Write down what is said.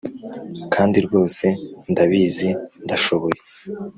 kandi rwose ndabizi ndashoboye.